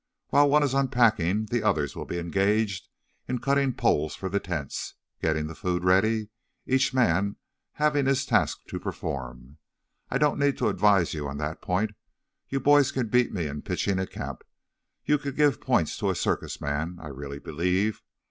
While one is unpacking, the others will be engaged in cutting poles for the tents, getting the food ready, each man having his task to perform. I don't need to advise you on that point. You boys can beat me in pitching a camp. You could give points to a circus man, I really believe.